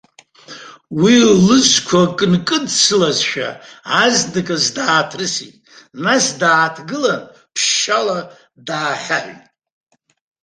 Уи, лызқәа акы нкыдсылазшәа, азныказы дааҭрысит, нас дааҭгылан, ԥшьаала даахьаҳәит.